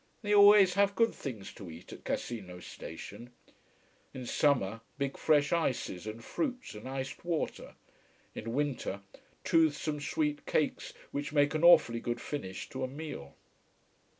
They always have good things to eat at Cassino station: in summer, big fresh ices and fruits and iced water, in winter toothsome sweet cakes which make an awfully good finish to a meal.